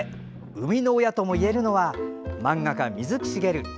生みの親ともいえるのは漫画家・水木しげる。